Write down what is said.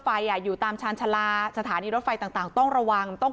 อยู่ตามชาญชาลาสถานีรถไฟต่างต้องระวังต้อง